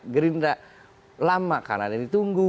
gerindra lama karena ada yang ditunggu